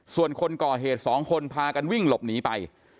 ส่วนคนก่อเหตุสองคนพากันวิ่งหลบหนีไป